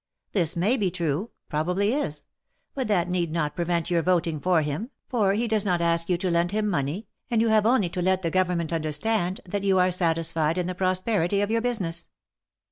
This may be true — probably is — but that need not prevent your voting for him, for he does not ask you to lend him money, and you have only to let the Govern ment understand, that you are satisfied in the prosperity of your business."